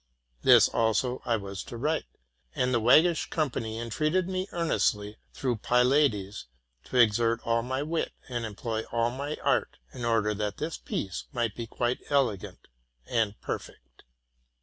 This, also, I was to write; and the waggish company entreated me earn estly, through Pylades, to exert all my wit and employ all my art, in order that. this piece might be quite elegant aud perfect.